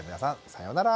さようなら。